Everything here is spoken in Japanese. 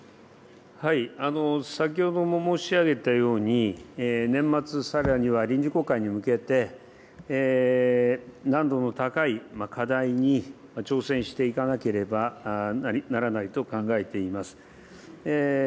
先ほども申し上げたように、年末、さらには臨時国会に向けて、難度の高い課題に挑戦していかなければならないと考えています。